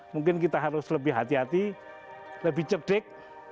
mungkin kita harus lebih hati hati lebih cerdik